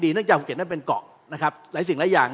เนื่องจากภูเก็ตให้เราดูเป็นเกาะหลายสิ่งหลายอย่าง